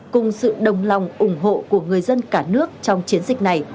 cùng sự đồng lòng ủng hộ của người dân cả nước trong chiến dịch này